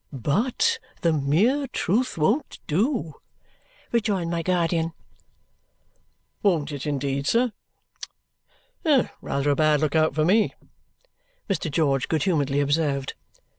"But the mere truth won't do," rejoined my guardian. "Won't it indeed, sir? Rather a bad look out for me!" Mr. George good humouredly observed.